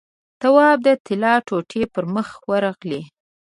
تواب د طلا ټوټې پر مخ ورغلې.